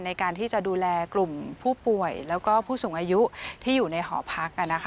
ในการที่จะดูแลกลุ่มผู้ป่วยแล้วก็ผู้สูงอายุที่อยู่ในหอพัก